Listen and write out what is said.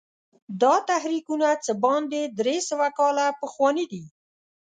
دا تحریکونه څه باندې درې سوه کاله پخواني دي.